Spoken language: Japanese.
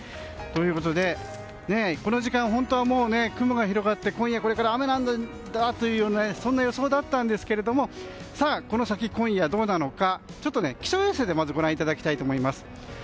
ということでこの時間、本当は雲が広がって今夜、これから雨なんだという予想だったんですがこの先、今夜どうなのかちょっと気象衛星でご覧いただきたいと思います。